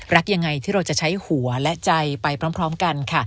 รักยังไงที่เราจะใช้หัวและใจไปพร้อมกันค่ะ